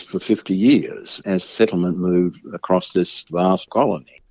ketika penyelamatan berubah ke kolonial besar ini